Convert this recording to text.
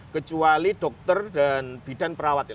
kecuali dokter dan bidan perawat